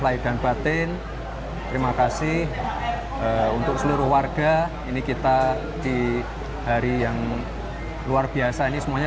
lahir dan batin terima kasih untuk seluruh warga ini kita di hari yang luar biasa ini semuanya